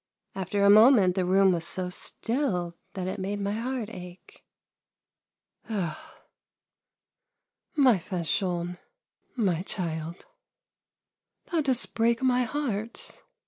After a moment the room was so still that it made my heart ache." " Oh, my Fanchon, my child, thou dost break my heart